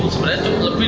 dua sebenarnya cukup lebih